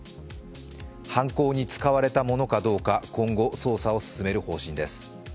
犯行に使われたものかどうか今後、捜査を進める方針です。